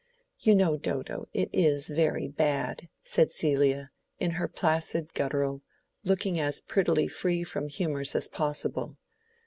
"You know, Dodo, it is very bad," said Celia, in her placid guttural, looking as prettily free from humors as possible.